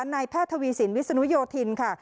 นายแพทย์ทวีสินวิศนุโยธินค่ะ